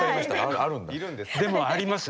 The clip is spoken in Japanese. でもあります。